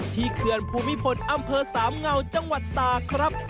เขื่อนภูมิพลอำเภอสามเงาจังหวัดตากครับ